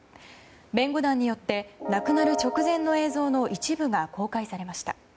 弁護団によって亡くなる直前の映像の一部が公開されました。